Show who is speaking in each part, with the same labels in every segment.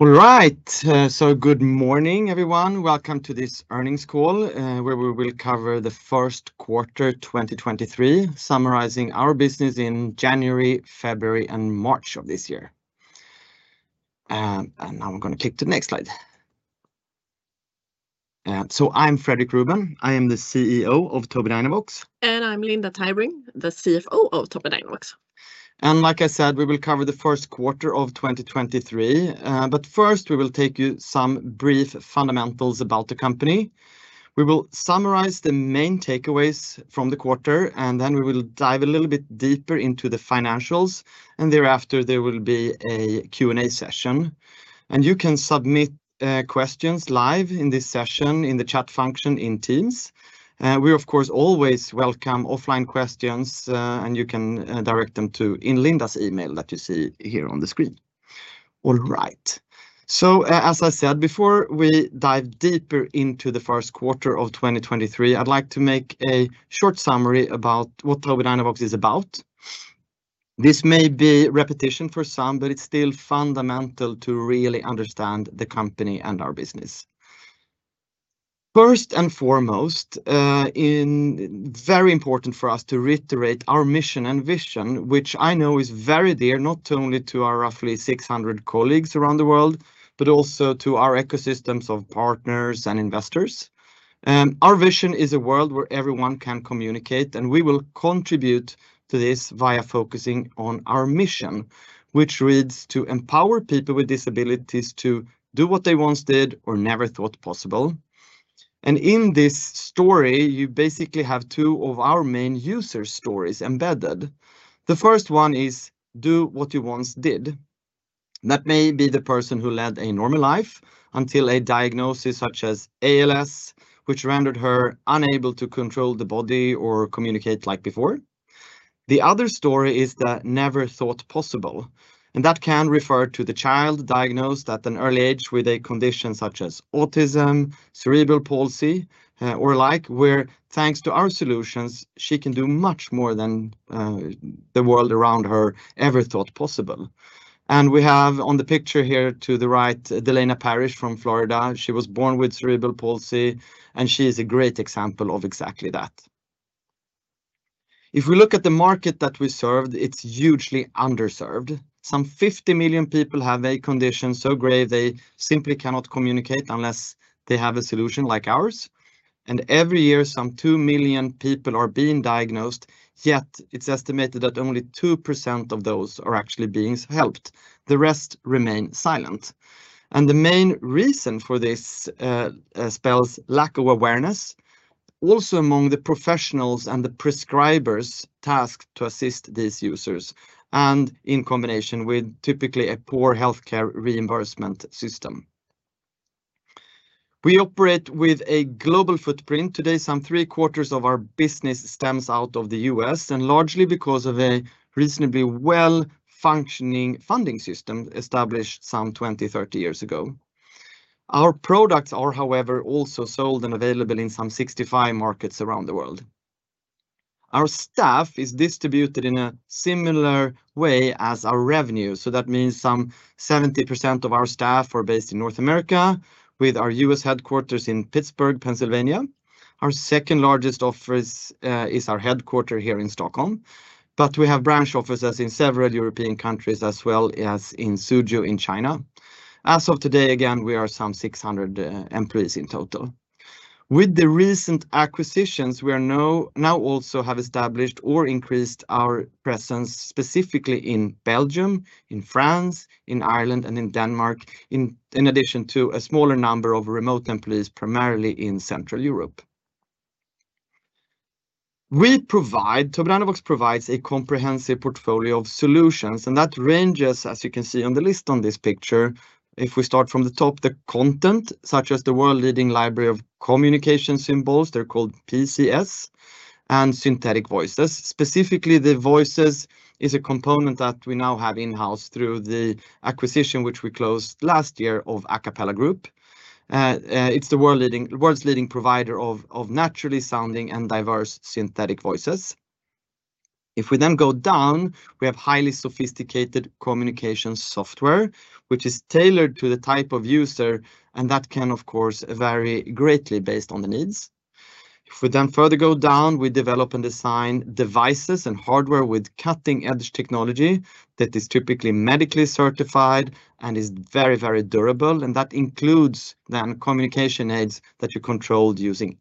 Speaker 1: All right, good morning, everyone. Welcome to this earnings call, where we will cover the first quarter 2023, summarizing our business in January, February, and March of this year. I'm gonna click to the next slide. I'm Fredrik Ruben. I am the CEO of Tobii Dynavox.
Speaker 2: I'm Linda Tybring, the CFO of Tobii Dynavox.
Speaker 1: Like I said, we will cover the first quarter of 2023. First, we will take you some brief fundamentals about the company. We will summarize the main takeaways from the quarter, and then we will dive a little bit deeper into the financials, and thereafter, there will be a Q&A session. You can submit questions live in this session in the chat function in Teams. We of course always welcome offline questions, you can direct them to in Linda's email that you see here on the screen. All right. As I said, before we dive deeper into the first quarter of 2023, I'd like to make a short summary about what Tobii Dynavox is about. This may be repetition for some, but it's still fundamental to really understand the company and our business. First and foremost, in...very important for us to reiterate our mission and vision, which I know is very dear, not only to our roughly 600 colleagues around the world, but also to our ecosystems of partners and investors. Our vision is a world where everyone can communicate, and we will contribute to this via focusing on our mission, which reads, "To empower people with disabilities to do what they once did or never thought possible." In this story, you basically have two of our main user stories embedded. The first one is, do what you once did. That may be the person who led a normal life until a diagnosis such as ALS, which rendered her unable to control the body or communicate like before. The other story is the never thought possible, and that can refer to the child diagnosed at an early age with a condition such as autism, cerebral palsy, or like, where thanks to our solutions, she can do much more than the world around her ever thought possible. We have on the picture here to the right, Delaina Parrish from Florida. She was born with cerebral palsy, and she is a great example of exactly that. If we look at the market that we served, it's hugely underserved. Some 50 million people have a condition so grave they simply cannot communicate unless they have a solution like ours. Every year, some 2 million people are being diagnosed, yet it's estimated that only 2% of those are actually being helped. The rest remain silent. The main reason for this spells lack of awareness, also among the professionals and the prescribers tasked to assist these users, and in combination with typically a poor healthcare reimbursement system. We operate with a global footprint. Today, some three-quarters of our business stems out of the U.S., and largely because of a reasonably well-functioning funding system established some 20, 30 years ago. Our products are, however, also sold and available in some 65 markets around the world. Our staff is distributed in a similar way as our revenue, so that means some 70% of our staff are based in North America with our U.S. headquarters in Pittsburgh, Pennsylvania. Our second largest office is our headquarter here in Stockholm. We have branch offices in several European countries as well as in Suzhou in China. As of today, again, we are some 600 employees in total. With the recent acquisitions, we are now also have established or increased our presence specifically in Belgium, in France, in Ireland, and in Denmark, in addition to a smaller number of remote employees, primarily in Central Europe. Tobii Dynavox provides a comprehensive portfolio of solutions, that ranges, as you can see on the list on this picture, if we start from the top, the content, such as the world-leading library of communication symbols, they're called PCS, and synthetic voices. Specifically, the voices is a component that we now have in-house through the acquisition, which we closed last year, of Acapela Group. It's the world's leading provider of naturally sounding and diverse synthetic voices. If we then go down, we have highly sophisticated communication software, which is tailored to the type of user, and that can, of course, vary greatly based on the needs. If we then further go down, we develop and design devices and hardware with cutting-edge technology that is typically medically certified and is very, very durable, and that includes the communication aids that you controlled using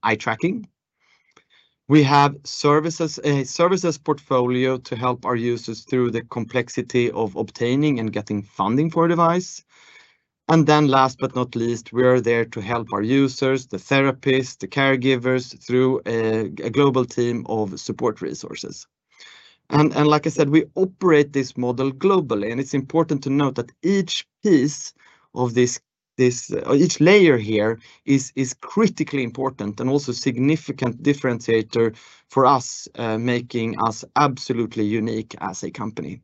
Speaker 1: eye tracking. We have services, a services portfolio to help our users through the complexity of obtaining and getting funding for a device. Last but not least, we are there to help our users, the therapists, the caregivers, through a global team of support resources. Like I said, we operate this model globally, and it's important to note that each piece of this, each layer here is critically important and also significant differentiator for us, making us absolutely unique as a company.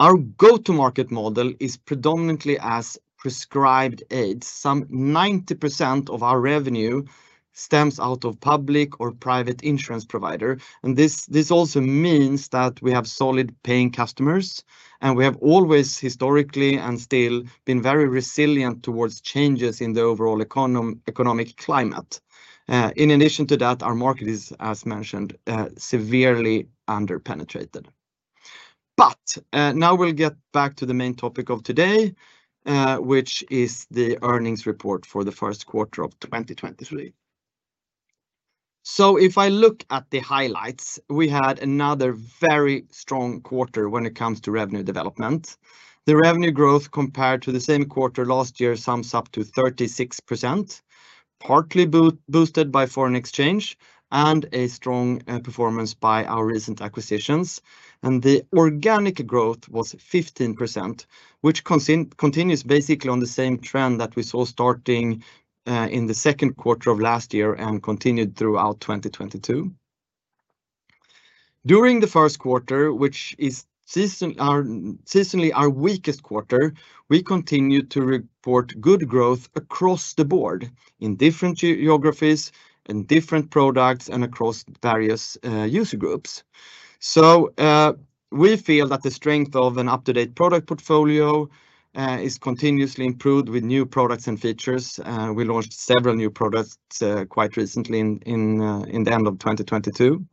Speaker 1: Our go-to-market model is predominantly as prescribed aids. Some 90% of our revenue stems out of public or private insurance provider, and this also means that we have solid paying customers, and we have always historically and still been very resilient towards changes in the overall economic climate. In addition to that, our market is, as mentioned, severely under-penetrated. Now we'll get back to the main topic of today, which is the earnings report for the first quarter of 2023. If I look at the highlights, we had another very strong quarter when it comes to revenue development. The revenue growth compared to the same quarter last year sums up to 36%, partly boosted by foreign exchange and a strong performance by our recent acquisitions. The organic growth was 15%, which continues basically on the same trend that we saw starting in the second quarter of last year and continued throughout 2022. During the first quarter, which is seasonally our weakest quarter, we continued to report good growth across the board in different geographies and different products and across various user groups. We feel that the strength of an up-to-date product portfolio is continuously improved with new products and features. We launched several new products quite recently in the end of 2022.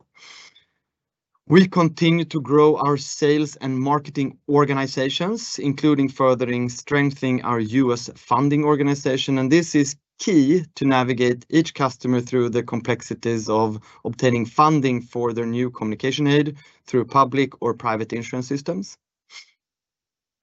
Speaker 1: We continue to grow our sales and marketing organizations, including furthering strengthening our U.S. funding organization. This is key to navigate each customer through the complexities of obtaining funding for their new communication aid through public or private insurance systems.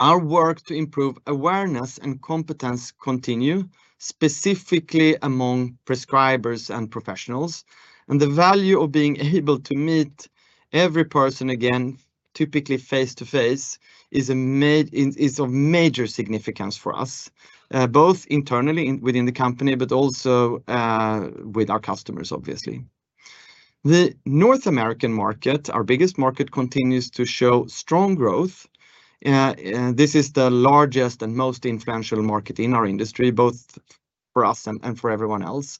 Speaker 1: Our work to improve awareness and competence continue, specifically among prescribers and professionals. The value of being able to meet every person again, typically face-to-face, is of major significance for us, both internally within the company, but also with our customers, obviously. The North American market, our biggest market, continues to show strong growth. This is the largest and most influential market in our industry, both for us and for everyone else.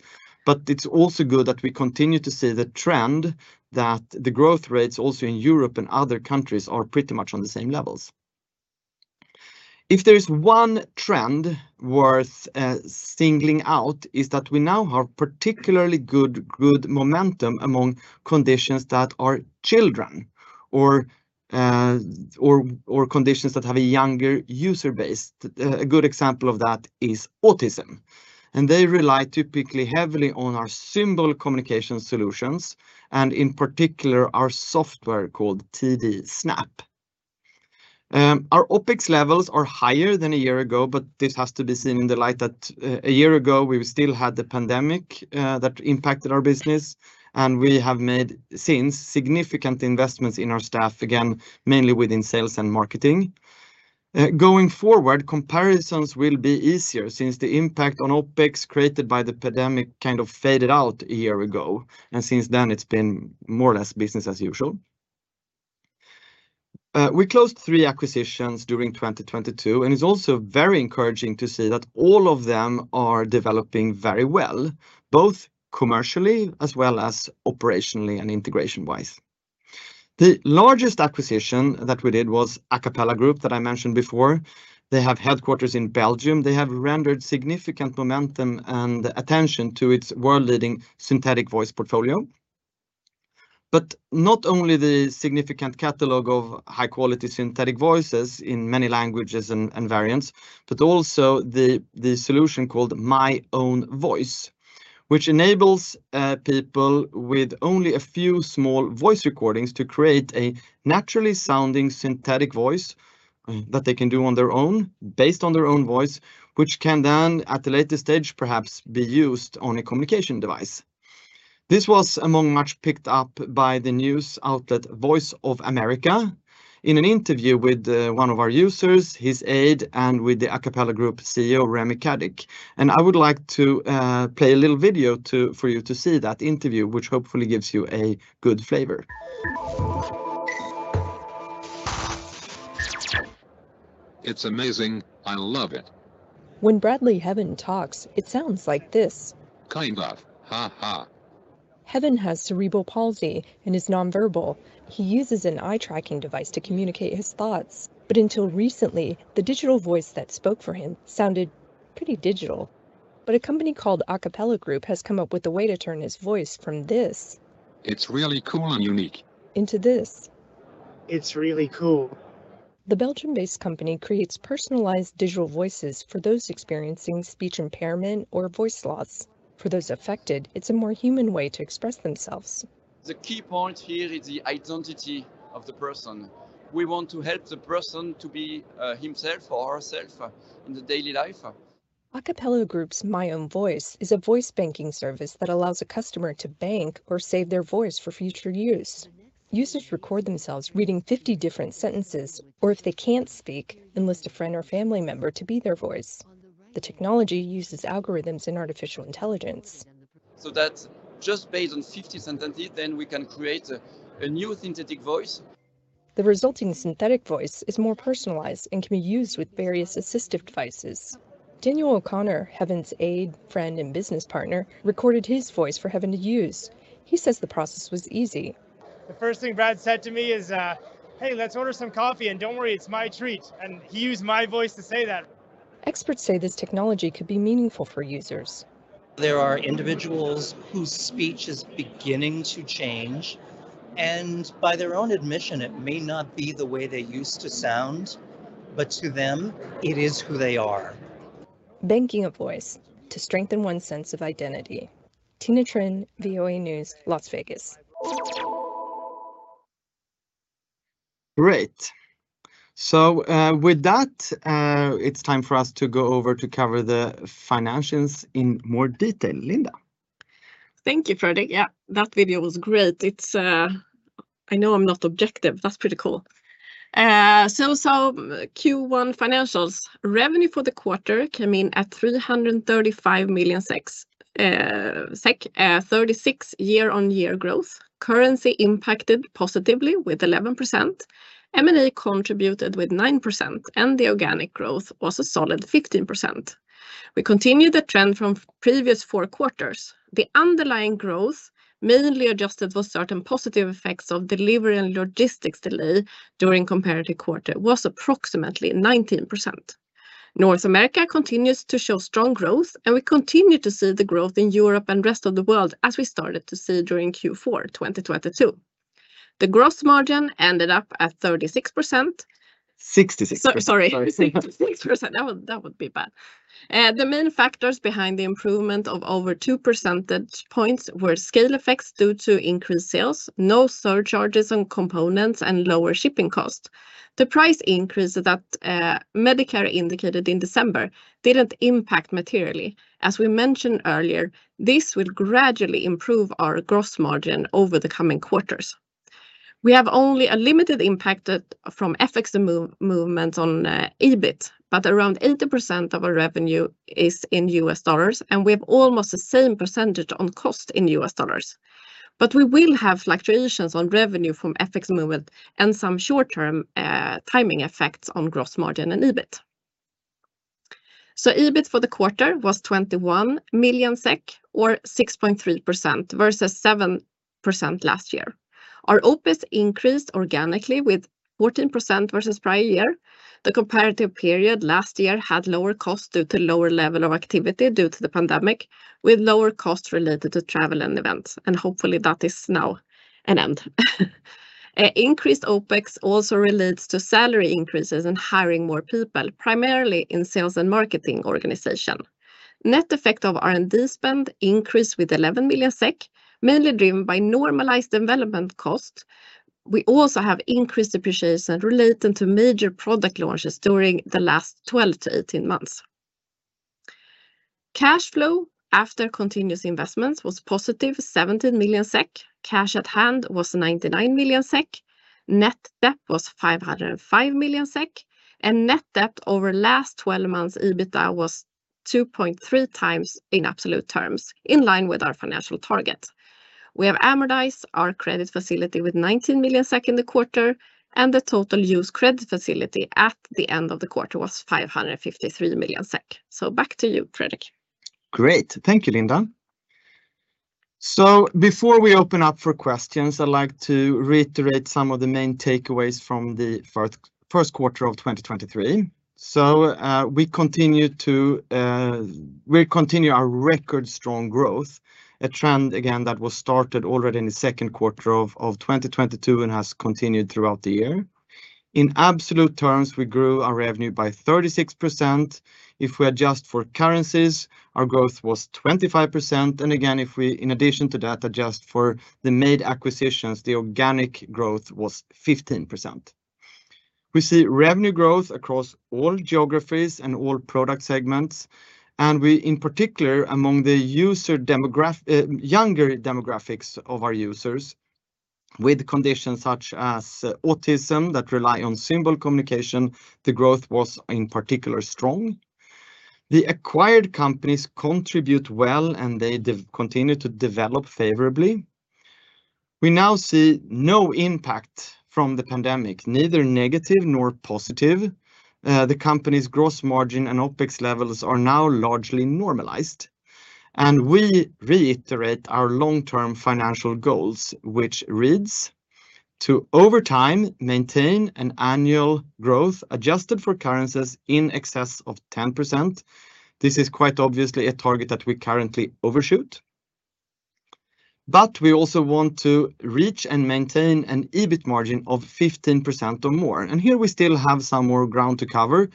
Speaker 1: It's also good that we continue to see the trend that the growth rates also in Europe and other countries are pretty much on the same levels. If there is one trend worth singling out, is that we now have particularly good momentum among conditions that are children or conditions that have a younger user base. A good example of that is autism, and they rely typically heavily on our simple communication solutions and, in particular, our software called TD Snap. Our OpEx levels are higher than a year ago, but this has to be seen in the light that a year ago we still had the pandemic that impacted our business, and we have made since significant investments in our staff, again, mainly within sales and marketing. Going forward, comparisons will be easier since the impact on OpEx created by the pandemic kind of faded out a year ago, and since then, it's been more or less business as usual. We closed three acquisitions during 2022, and it's also very encouraging to see that all of them are developing very well, both commercially as well as operationally and integration-wise. The largest acquisition that we did was Acapela Group that I mentioned before. They have headquarters in Belgium. They have rendered significant momentum and attention to its world-leading synthetic voice portfolio. Not only the significant catalog of high-quality synthetic voices in many languages and variants, but also the solution called My Own Voice, which enables people with only a few small voice recordings to create a naturally sounding synthetic voice that they can do on their own based on their own voice, which can then, at a later stage, perhaps be used on a communication device. This was among much picked up by the news outlet Voice of America in an interview with one of our users, his aide, and with the Acapela Group CEO, Rémi Cadic. I would like to play a little video to, for you to see that interview, which hopefully gives you a good flavor.
Speaker 3: It's amazing. I love it. When Bradley Heaven talks, it sounds like this. Kind of. Ha ha. Heaven has cerebral palsy and is non-verbal. He uses an eye-tracking device to communicate his thoughts. Until recently, the digital voice that spoke for him sounded pretty digital. A company called Acapela Group has come up with a way to turn his voice from this... It's really cool and unique... into this. It's really cool. The Belgium-based company creates personalized digital voices for those experiencing speech impairment or voice loss. For those affected, it's a more human way to express themselves. The key point here is the identity of the person. We want to help the person to be himself or herself in the daily life. Acapela Group's My Own Voice is a voice banking service that allows a customer to bank or save their voice for future use. Users record themselves reading 50 different sentences, or if they can't speak, enlist a friend or family member to be their voice. The technology uses algorithms and artificial intelligence. That's just based on 50 synthesis then we can create a new synthetic voice. The resulting synthetic voice is more personalized and can be used with various assistive devices. Daniel O'Connor, Heaven's aide, friend, and business partner, recorded his voice for Heaven to use. He says the process was easy The first thing Brad said to me is, "Hey, let's order some coffee, and don't worry, it's my treat." He used my voice to say that Experts say this technology could be meaningful for users. There are individuals whose speech is beginning to change, and by their own admission, it may not be the way they used to sound, but to them, it is who they are. Banking a voice to strengthen one's sense of identity. Tina Trinh, VOA News, Las Vegas
Speaker 1: Great. With that, it's time for us to go over to cover the financials in more detail. Linda
Speaker 2: Thank you, Fredrik. That video was great. It's. I know I'm not objective. That's pretty cool. Q1 financials. Revenue for the quarter came in at 335 million SEK, at 36% year-on-year growth. Currency impacted positively with 11%. M&A contributed with 9%. The organic growth was a solid 15%. We continue the trend from previous four quarters. The underlying growth, mainly adjusted for certain positive effects of delivery and logistics delay during comparative quarter, was approximately 19%. North America continues to show strong growth. We continue to see the growth in Europe and rest of the world as we started to see during Q4 2022. The gross margin ended up at 36%.
Speaker 1: 66%.
Speaker 2: Sorry.
Speaker 1: Sorry.
Speaker 2: 66%. That would be bad. The main factors behind the improvement of over 2 percentage points were scale effects due to increased sales, no surcharges on components, and lower shipping costs. The price increase that Medicare indicated in December didn't impact materially. As we mentioned earlier, this will gradually improve our gross margin over the coming quarters. We have only a limited impact from FX movement on EBIT, but around 80% of our revenue is in U.S. dollars, and we have almost the same percentage on cost in U.S. dollars. We will have fluctuations on revenue from FX movement and some short-term timing effects on gross margin and EBIT. EBIT for the quarter was 21 million SEK SEK, or 6.3%, versus 7% last year. Our OpEx increased organically with 14% versus prior year. The comparative period last year had lower costs due to lower level of activity due to the pandemic, with lower costs related to travel and events. Hopefully that is now an end. Increased OpEx also relates to salary increases and hiring more people, primarily in sales and marketing organization. Net effect of R&D spend increased with 11 million SEK, mainly driven by normalized development costs. We also have increased depreciation relating to major product launches during the last 12 to 18 months. Cash flow after continuous investments was positive, 17 million SEK. Cash at hand was 99 million SEK. Net debt was 505 million SEK. Net debt over last 12 months EBITA was 2.3x in absolute terms, in line with our financial targets. We have amortized our credit facility with 19 million SEK in the quarter, and the total used credit facility at the end of the quarter was 553 million SEK. Back to you, Fredrik.
Speaker 1: Great. Thank you, Linda. Before we open up for questions, I'd like to reiterate some of the main takeaways from the first quarter of 2023. We continue our record strong growth, a trend again that was started already in the second quarter of 2022 and has continued throughout the year. In absolute terms, we grew our revenue by 36%. If we adjust for currencies, our growth was 25%. Again, if we, in addition to that, adjust for the made acquisitions, the organic growth was 15%. We see revenue growth across all geographies and all product segments, and we in particular, among the younger demographics of our users with conditions such as autism that rely on symbol communication, the growth was in particular strong. The acquired companies contribute well, and they continue to develop favorably. We now see no impact from the pandemic, neither negative nor positive. The company's gross margin and OpEx levels are now largely normalized. We reiterate our long-term financial goals, which reads, "To over time maintain an annual growth, adjusted for currencies, in excess of 10%." This is quite obviously a target that we currently overshoot. We also want to reach and maintain an EBIT margin of 15% or more, and here we still have some more ground to cover.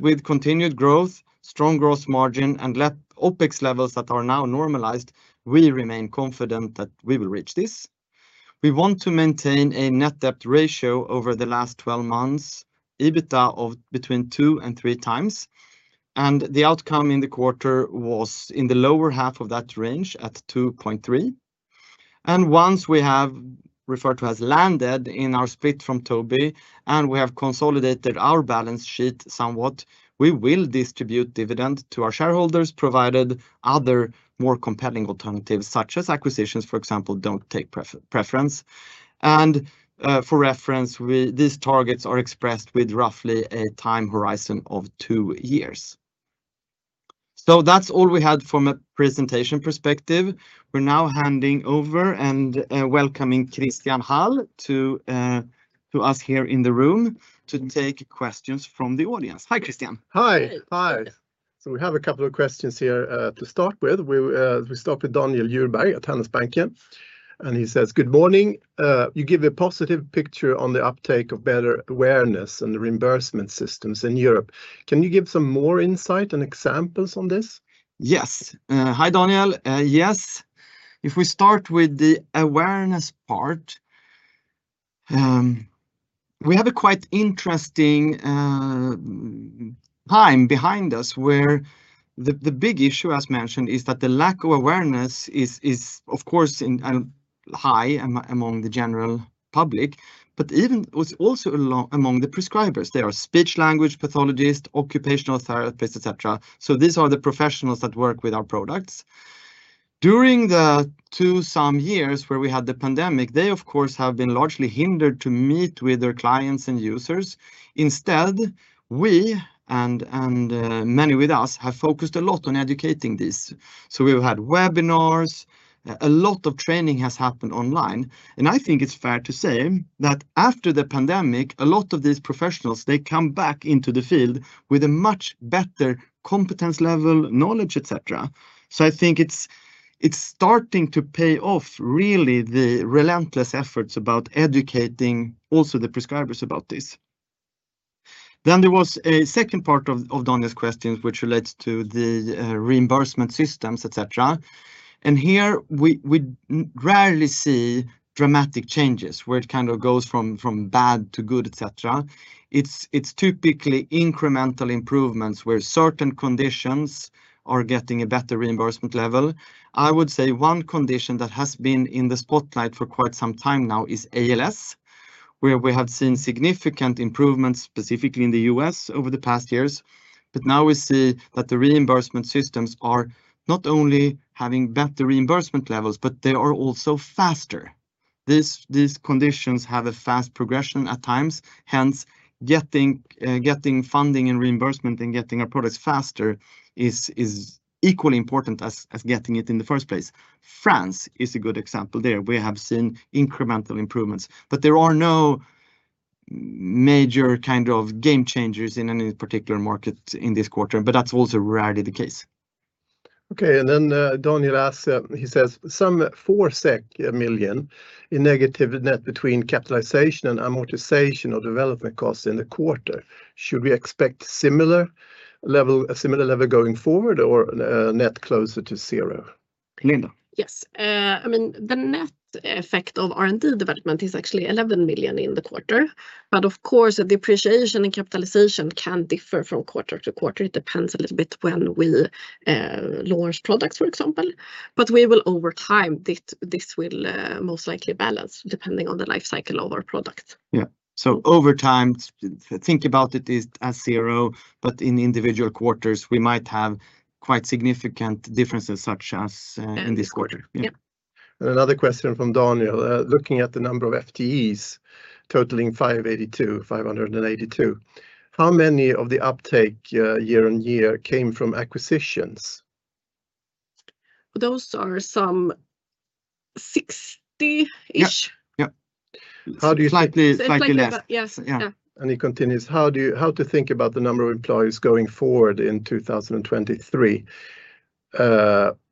Speaker 1: With continued growth, strong gross margin, and OpEx levels that are now normalized, we remain confident that we will reach this. We want to maintain a net debt ratio over the last 12 months, EBITA of between 2x and 3x, and the outcome in the quarter was in the lower half of that range at 2.3x. Once we have referred to as landed in our split from Tobii and we have consolidated our balance sheet somewhat, we will distribute dividend to our shareholders provided other more compelling alternatives such as acquisitions, for example, don't take preference. For reference, these targets are expressed with roughly a time horizon of two years. That's all we had from a presentation perspective. We're now handing over and welcoming Christian Hall to us here in the room to take questions from the audience. Hi, Christian.
Speaker 4: Hi. Hi. We have a couple of questions here to start with. We start with Daniel Djurberg at Handelsbanken. He says, "Good morning. You give a positive picture on the uptake of better awareness and the reimbursement systems in Europe. Can you give some more insight and examples on this?
Speaker 1: Yes. Hi, Daniel. Yes. If we start with the awareness part, we have a quite interesting time behind us where the big issue, as mentioned, is that the lack of awareness is, of course, high among the general public, but even was also among the prescribers. They are speech-language pathologists, occupational therapists, et cetera. These are the professionals that work with our products. During the two some years where we had the pandemic, they of course, have been largely hindered to meet with their clients and users. Instead, we, and many with us have focused a lot on educating this. We've had webinars, a lot of training has happened online. I think it's fair to say that after the pandemic, a lot of these professionals, they come back into the field with a much better competence level, knowledge, et cetera. I think it's starting to pay off really the relentless efforts about educating also the prescribers about this. There was a second part of Daniel's questions which relates to the reimbursement systems, et cetera. Here we rarely see dramatic changes where it kind of goes from bad to good, et cetera. It's typically incremental improvements where certain conditions are getting a better reimbursement level. I would say one condition that has been in the spotlight for quite some time now is ALS, where we have seen significant improvements specifically in the U.S. over the past years. Now we see that the reimbursement systems are not only having better reimbursement levels, but they are also faster. These conditions have a fast progression at times, hence getting funding and reimbursement and getting our products faster is equally important as getting it in the first place. France is a good example there. We have seen incremental improvements, but there are no major kind of game changers in any particular market in this quarter, but that's also rarely the case.
Speaker 4: Okay. Daniel asks, he says, "Some 4 million in negative net between capitalization and amortization or development costs in the quarter. Should we expect a similar level going forward or net closer to zero?"
Speaker 1: Linda?
Speaker 2: Yes. I mean, the net effect of R&D development is actually 11 million in the quarter. Of course, the depreciation in capitalization can differ from quarter to quarter. It depends a little bit when we launch products, for example. We will over time, this will most likely balance depending on the life cycle of our product.
Speaker 1: Yeah. over time, think about it as zero, but in individual quarters, we might have quite significant differences such as in this quarter.
Speaker 2: Yeah.
Speaker 1: Yeah.
Speaker 4: Another question from Daniel: Looking at the number of FTEs totaling 582, how many of the uptake, year-on-year came from acquisitions?
Speaker 2: Those are some 60-ish.
Speaker 1: Yeah. Yeah.
Speaker 4: How do you—
Speaker 1: Slightly, slightly less.
Speaker 2: Yes.
Speaker 1: Yeah.
Speaker 2: Yeah.
Speaker 4: He continues, "how to think about the number of employees going forward in 2023?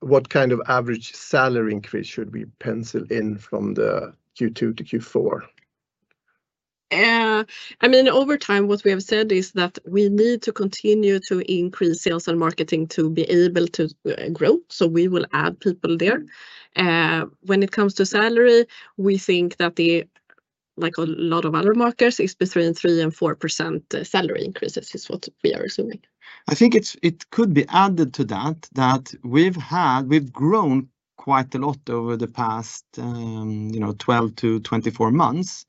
Speaker 4: What kind of average salary increase should we pencil in from the Q2 to Q4?"
Speaker 2: I mean, over time, what we have said is that we need to continue to increase sales and marketing to be able to grow. We will add people there. When it comes to salary, we think that the, like a lot of other markets, it's between 3% and 4% salary increases is what we are assuming.
Speaker 1: I think it's, it could be added to that we've had, we've grown quite a lot over the past, you know, 12 to 24 months.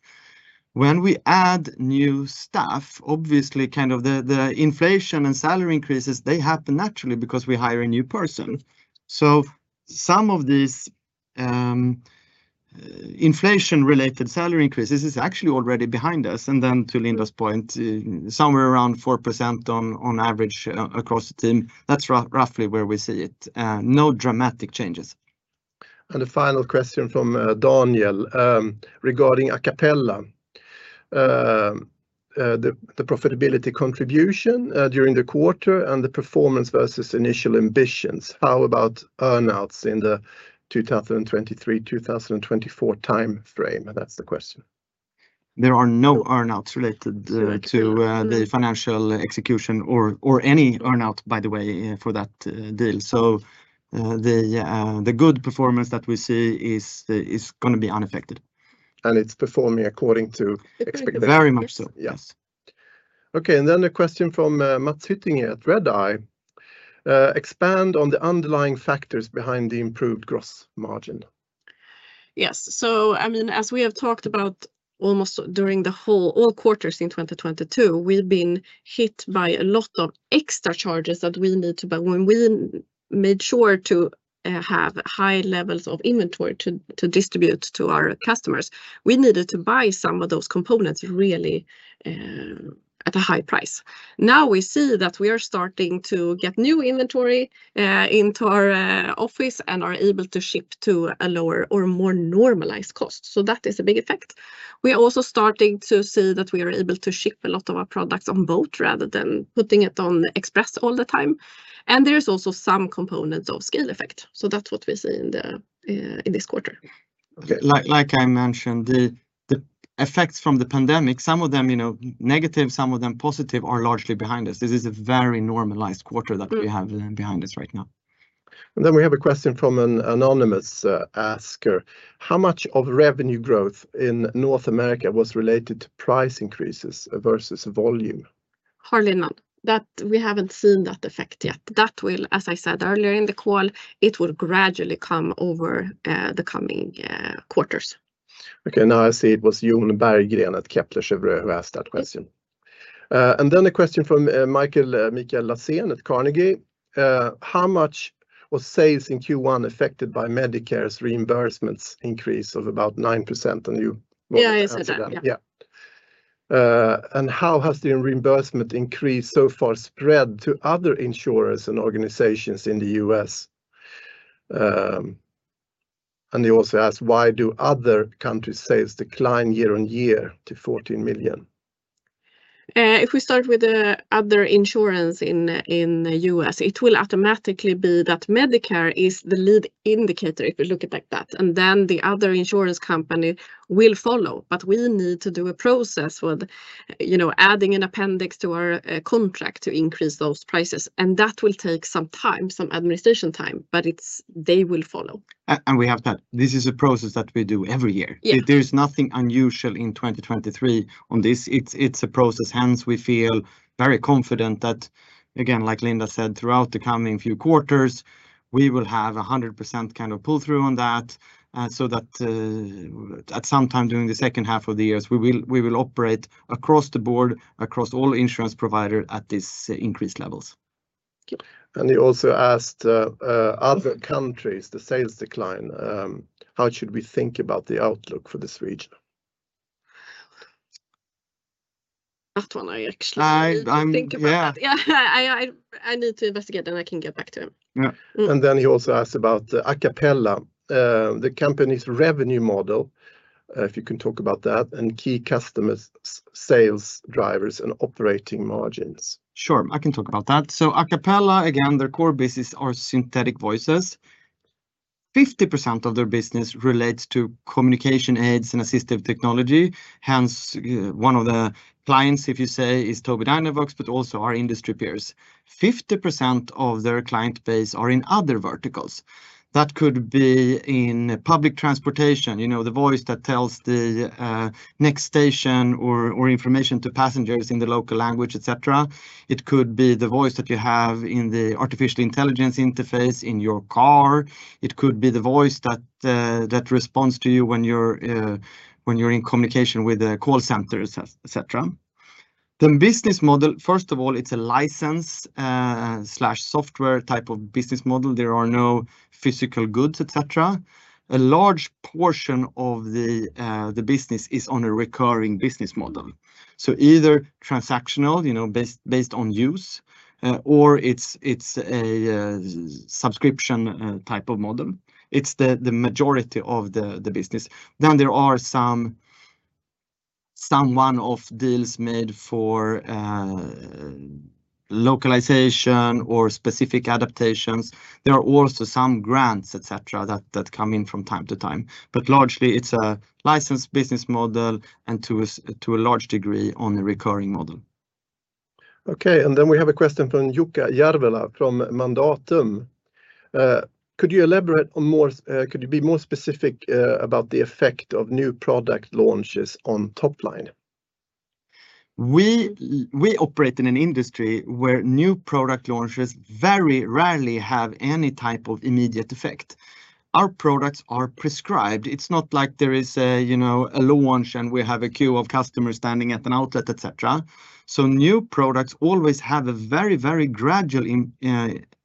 Speaker 1: When we add new staff, obviously, kind of the inflation and salary increases, they happen naturally because we hire a new person. Some of these, inflation-related salary increases is actually already behind us. Then to Linda's point, somewhere around 4% on average across the team. That's roughly where we see it. No dramatic changes.
Speaker 4: The final question from Daniel regarding Acapela: The profitability contribution during the quarter and the performance versus initial ambitions. How about earn-outs in the 2023, 2024 time frame? That's the question.
Speaker 1: There are no earn-outs related, to, the financial execution or any earn-out, by the way, for that, deal. The good performance that we see is gonna be unaffected.
Speaker 4: It's performing according to expectations.
Speaker 1: Very much so, yes.
Speaker 4: Okay, a question from Mats Hyttinge at Redeye: Expand on the underlying factors behind the improved gross margin.
Speaker 2: I mean, as we have talked about almost during the whole, all quarters in 2022, we've been hit by a lot of extra charges that we need to, but when we made sure to have high levels of inventory to distribute to our customers, we needed to buy some of those components really at a high price. We see that we are starting to get new inventory into our office and are able to ship to a lower or more normalized cost. That is a big effect. We are also starting to see that we are able to ship a lot of our products on boat rather than putting it on express all the time. There's also some component of scale effect. That's what we see in this quarter.
Speaker 1: Like I mentioned, the effects from the pandemic, some of them, you know, negative, some of them positive are largely behind us. This is a very normalized quarter that we have behind us right now.
Speaker 4: We have a question from an anonymous asker: How much of revenue growth in North America was related to price increases versus volume?
Speaker 2: Hardly none. That, we haven't seen that effect yet. That will, as I said earlier in the call, it will gradually come over the coming quarters.
Speaker 4: Okay. Now I see it was Jon Berggren at Kepler Cheuvreux who asked that question. Then a question from Mikael Lassen at Carnegie: How much was sales in Q1 affected by Medicare's reimbursements increase of about 9% on you?
Speaker 2: Yeah, I said that.
Speaker 4: Yeah. How has the reimbursement increase so far spread to other insurers and organizations in the U.S.? He also asked: Why do other countries' sales decline year-on-year to $14 million?
Speaker 2: If we start with the other insurance in the U.S., it will automatically be that Medicare is the lead indicator if you look at it like that. The other insurance company will follow. We need to do a process with, you know, adding an appendix to our contract to increase those prices. That will take some time, some administration time, but they will follow.
Speaker 1: We have that. This is a process that we do every year.
Speaker 2: Yeah.
Speaker 1: There is nothing unusual in 2023 on this. It's a process, hence we feel very confident that again, like Linda said, throughout the coming few quarters, we will have 100% kind of pull through on that. That, at some time during the second half of the years, we will operate across the board, across all insurance providers at these increased levels.
Speaker 2: Yeah.
Speaker 4: He also asked, other countries, the sales decline, how should we think about the outlook for this region?
Speaker 2: That one I actually need to think about that.
Speaker 1: I'm, yeah.
Speaker 2: Yeah. I need to investigate that and I can get back to him.
Speaker 4: Yeah.
Speaker 2: Mm.
Speaker 4: He also asked about the Acapela, the company's revenue model, if you can talk about that, and key customers, sales drivers, and operating margins.
Speaker 1: Sure. I can talk about that. Acapela, again, their core business are synthetic voices. 50% of their business relates to communication aids and assistive technology, hence one of the clients, if you say, is Tobii Dynavox, but also our industry peers. 50% of their client base are in other verticals. That could be in public transportation, you know, the voice that tells the next station or information to passengers in the local language, et cetera. It could be the voice that you have in the artificial intelligence interface in your car. It could be the voice that responds to you when you're in communication with the call centers, et cetera. The business model, first of all, it's a license slash software type of business model. There are no physical goods, et cetera. A large portion of the business is on a recurring business model. Either transactional, you know, based on use, or it's a subscription type of model. It's the majority of the business. There are some one-off deals made for localization or specific adaptations. There are also some grants, et cetera, that come in from time to time. Largely, it's a licensed business model and to a large degree on a recurring model.
Speaker 4: Okay, we have a question from Jukka Järvelä from Mandatum: Could you be more specific about the effect of new product launches on top line?
Speaker 1: We operate in an industry where new product launches very rarely have any type of immediate effect. Our products are prescribed. It's not like there is a, you know, a launch, and we have a queue of customers standing at an outlet, et cetera. New products always have a very, very gradual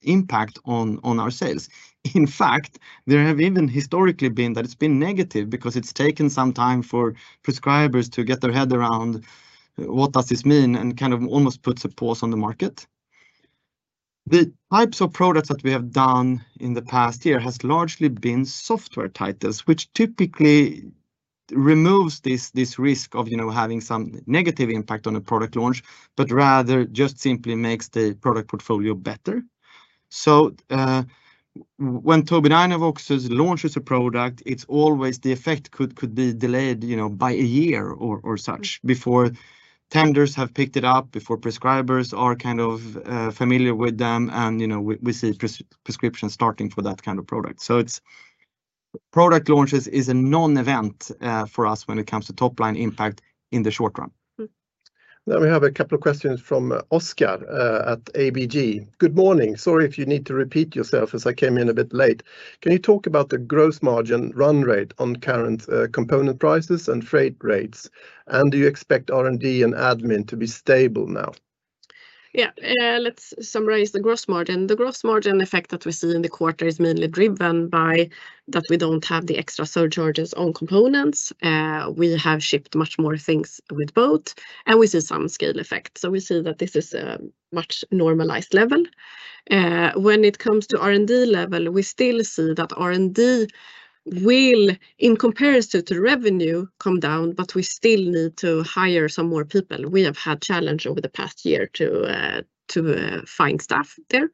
Speaker 1: impact on our sales. In fact, there have even historically been that it's been negative because it's taken some time for prescribers to get their head around, what does this mean, and kind of almost puts a pause on the market. The types of products that we have done in the past year has largely been software titles, which typically removes this risk of, you know, having some negative impact on a product launch, but rather just simply makes the product portfolio better. When Tobii Dynavox launches a product, it's always the effect could be delayed, you know, by a year or such before tenders have picked it up before prescribers are kind of familiar with them, and, you know, we see prescriptions starting for that kind of product. It's, product launches is a non-event for us when it comes to top line impact in the short run.
Speaker 4: We have a couple of questions from Oscar at ABG. Good morning. Sorry if you need to repeat yourself as I came in a bit late. Can you talk about the gross margin run rate on current component prices and freight rates? Do you expect R&D and admin to be stable now?
Speaker 2: Yeah. Let's summarize the gross margin. The gross margin effect that we see in the quarter is mainly driven by that we don't have the extra surcharges on components. We have shipped much more things with boat, and we see some scale effect. We see that this is a much normalized level. When it comes to R&D level, we still see that R&D will, in comparison to revenue, come down, but we still need to hire some more people. We have had challenge over the past year to find staff there.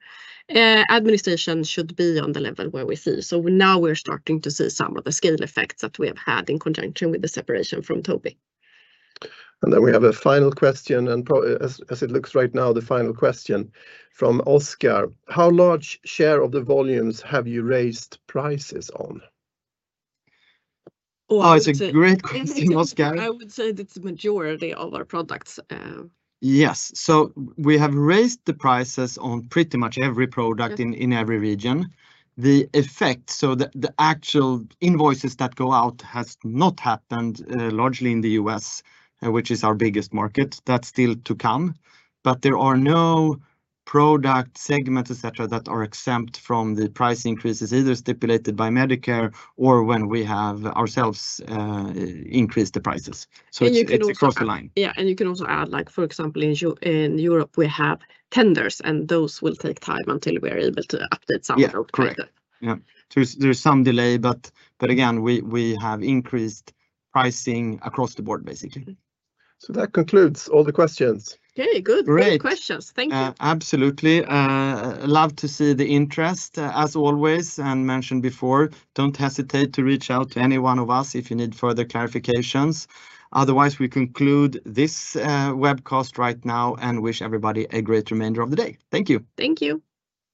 Speaker 2: Administration should be on the level where we see. Now we're starting to see some of the scale effects that we have had in conjunction with the separation from Tobii.
Speaker 4: We have a final question, and as it looks right now, the final question from Oscar: How large share of the volumes have you raised prices on?
Speaker 1: Oh, it's a great question, Oscar.
Speaker 2: I would say the majority of our products.
Speaker 1: Yes. We have raised the prices on pretty much every product in every region. The effect, so the actual invoices that go out has not happened, largely in the U.S., which is our biggest market. That's still to come. There are no product segments, et cetera, that are exempt from the price increases, either stipulated by Medicare or when we have ourselves, increase the prices. It's across the line.
Speaker 2: Yeah. You can also add, like for example, in Europe, we have tenders, and those will take time until we're able to update some of them.
Speaker 1: Yeah. Correct. Yeah. There's some delay but again, we have increased pricing across the board, basically.
Speaker 4: That concludes all the questions.
Speaker 2: Okay. Good.
Speaker 1: Great.
Speaker 2: Great questions. Thank you.
Speaker 1: Absolutely. Love to see the interest. As always, and mentioned before, don't hesitate to reach out to any one of us if you need further clarifications. Otherwise, we conclude this webcast right now and wish everybody a great remainder of the day. Thank you.
Speaker 2: Thank you.